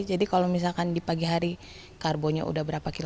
jadi kalau misalkan di pagi hari karbonya udah berapa kilo